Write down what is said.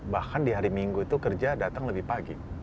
bahkan di hari minggu itu kerja datang lebih pagi